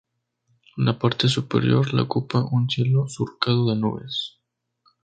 La parte superior la ocupa un cielo surcado de nubes.